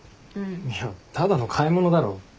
いやただの買い物だろ。